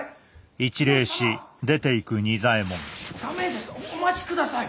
・駄目ですお待ちください！